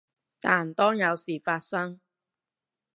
但當有事發生